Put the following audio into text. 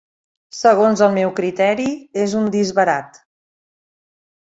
Segons el meu criteri, és un disbarat.